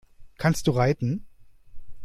Kannst du reiten?